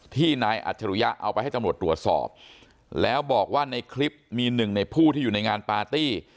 นายอัจฉริยะเอาไปให้ตำรวจตรวจสอบแล้วบอกว่าในคลิปมีหนึ่งในผู้ที่อยู่ในงานปาร์ตี้